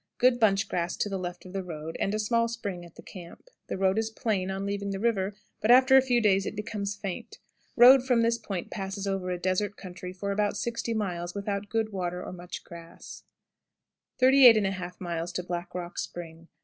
Good bunch grass to the left of the road, and a small spring at the camp. The road is plain on leaving the river, but after a few days it becomes faint. Road from this point passes over a desert country for about 60 miles, without good water or much grass. 38 1/2. Black Rock Spring.